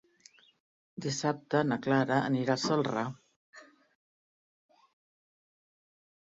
Dissabte na Clara anirà a Celrà.